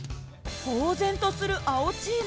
ぼう然とする青チーム。